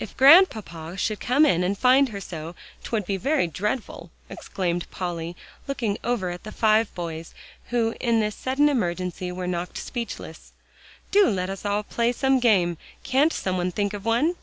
"If Grandpapa should come in and find her so 'twould be very dreadful!" exclaimed Polly, looking over at the five boys, who in this sudden emergency were knocked speechless. "Do let us all play some game. Can't some one think of one?"